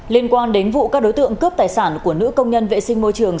liên quan đến vụ các đối tượng cướp tài sản của nữ công nhân vệ sinh môi trường